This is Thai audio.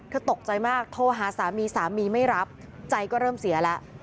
ตกใจมากโทรหาสามีสามีไม่รับใจก็เริ่มเสียแล้ว